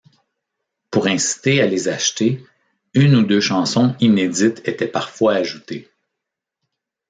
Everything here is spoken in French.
Pour inciter à les acheter, une ou deux chansons inédites étaient parfois ajoutées.